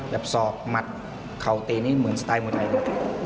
แบบสอบหมัดเข่าเตรียมนี้เหมือนสไตล์มวยไทยนะ